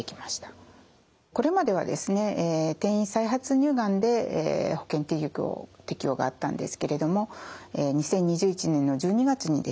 これまではですね転移・再発乳がんで保険適用があったんですけれども２０２１年の１２月にですね